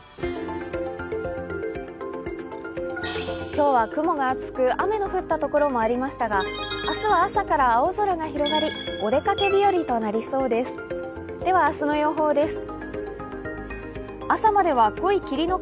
今日は雲が厚く雨の降った所もありましたが明日は朝から青空が広がりお出かけ日和となりそうです。